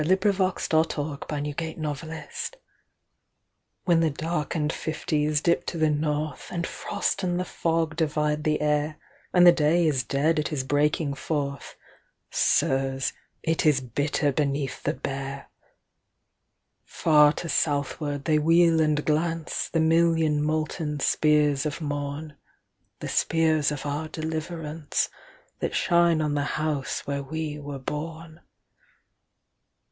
Verse: 1885â1918. 1922. Song of the Wise Children 1902WHEN the darkened Fifties dip to the North, And frost and the fog divide the air, And the day is dead at his breaking forth, Sirs, it is bitter beneath the Bear! Far to Southward they wheel and glance, The million molten spears of morn—The spears of our deliveranceThat shine on the house where we were born.